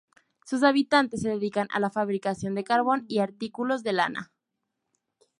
Sus habitantes se dedican a la fabricación de carbón y artículos de lana.